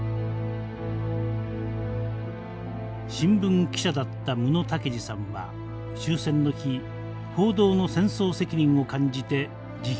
新聞記者だった武野武治さんは終戦の日報道の戦争責任を感じて辞表を出しました。